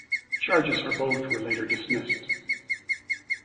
Charges for both were later dismissed.